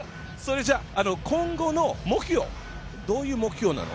今後の目標、どういう目標なの？